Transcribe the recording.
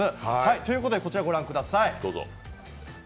ということで、こちらご覧ください